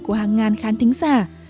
của hàng ngàn khán thính giả